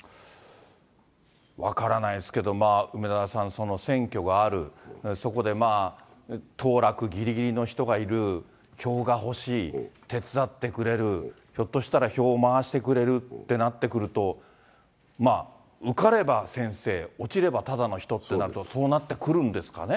分からないですけど、梅沢さん、選挙がある、そこで当落ぎりぎりの人がいる、票が欲しい、手伝ってくれる、ひょっとしたら票を回してくれるってなってくると、受かれば先生、落ちればただの人ってなると、そうなってくるんですかね。